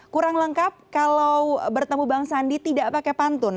kurang lengkap kalau bertemu bang sandi tidak pakai pantun